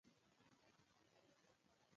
هیواد مې له جهل نه ژغورل غواړي